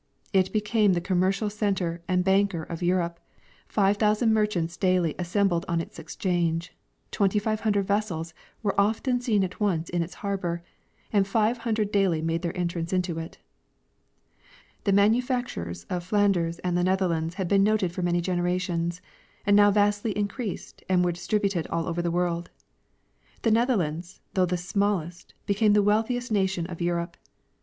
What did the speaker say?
It became the commercial center and banker of Europe ; five thousand merchants daily assembled on its exchange ; twenty five hundred vessels were oftei> seen at once in its harbor, and five hundred daily made their entrance into it. The manufact ures of Flanders and the Netherlands had been noted for many generations, and now vastly increased and were distributed all over the world. The Netherlands, though the smallest, be came the wealthiest nation of Europe.